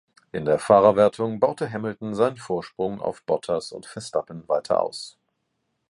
In der Fahrerwertung baute Hamilton seinen Vorsprung auf Bottas und Verstappen weiter aus.